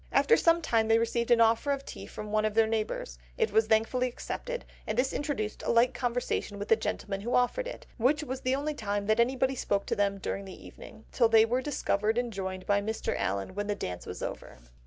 After some time they received an offer of tea from one of their neighbours; it was thankfully accepted, and this introduced a light conversation with the gentleman who offered it, which was the only time that anybody spoke to them during the evening, till they were discovered and joined by Mr. Allen when the dance was over.